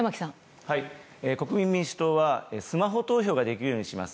国民民主党はスマホ投票ができるようにします。